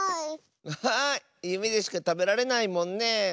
アハーゆめでしかたべられないもんね。